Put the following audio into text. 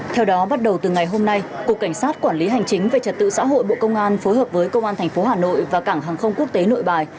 theo đó bắt đầu từ ngày hôm nay cục cảnh sát quản lý hành chính về trật tự xã hội bộ công an phối hợp với công an tp hà nội và cảng hàng không quốc tế nội bài